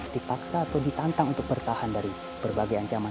dipaksa atau ditantang untuk bertahan dari berbagai ancaman